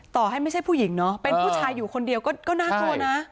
ต่อให้ไม่ใช่ผู้หญิงเนาะเป็นผู้ชายอยู่คนเดียวก็น่ากลัวนะ